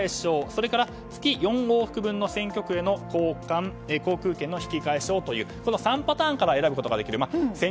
それから月４往復分の選挙区への航空券引換証というこの３パターンから選ぶことができる。